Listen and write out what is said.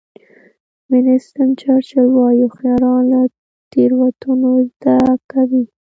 وینسټن چرچل وایي هوښیاران له تېروتنو زده کوي.